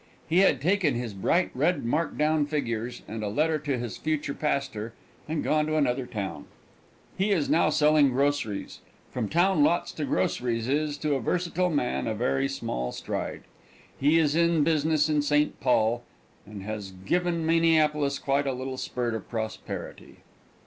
He had taken his bright red mark down figures, and a letter to his future pastor, and gone to another town. He is now selling groceries. From town lots to groceries is, to a versatile man, a very small stride. He is in business in St. Paul, and that has given Minneapolis quite a little spurt of prosperity.